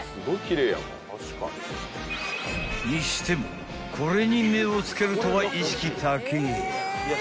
［にしてもこれに目を付けるとは意識高ぇや］